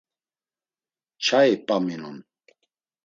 Çai p̌aminon.